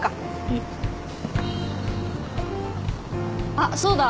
あっそうだ。